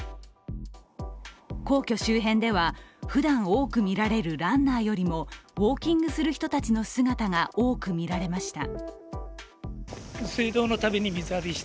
皇居周辺では、ふだん多く見られるランナーよりもウオーキングする人たちの姿が多く見られました。